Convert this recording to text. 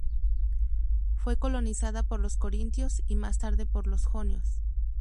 Fue colonizada por los corintios y más tarde por los jonios.